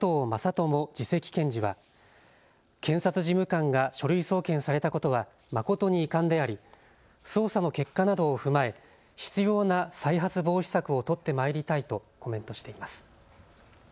倫次席検事は検察事務官が書類送検されたことは誠に遺憾であり、捜査の結果などを踏まえ必要な再発防止策を取ってまいりたいとコメントしています。